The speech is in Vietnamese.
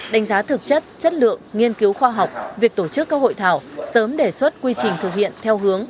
đánh giá thực chất chất lượng nghiên cứu khoa học việc tổ chức các hội thảo sớm đề xuất quy trình thực hiện theo hướng